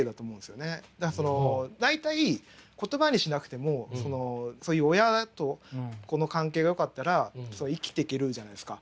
大体言葉にしなくてもそういう親と子の関係がよかったら生きていけるじゃないですか。